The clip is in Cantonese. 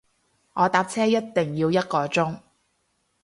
我搭車一定要一個鐘